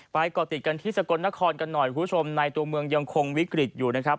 ก่อติดกันที่สกลนครกันหน่อยคุณผู้ชมในตัวเมืองยังคงวิกฤตอยู่นะครับ